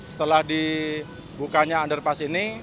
setelah dibukanya underpass ini